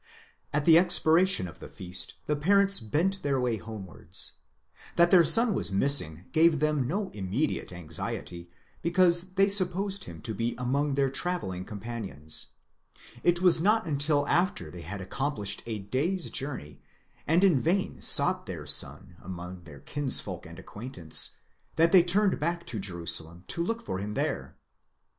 At the expiration of the feast, the parents bent their way homewards ; that their son was missing gave them no immediate anxiety, because they supposed him to be among their travelling companions, and it was not until after they had accomplished a day's journey, and in vain sought their son among their kinsfolk and acquaintance, that they turned back to Jerusalem to look for him there.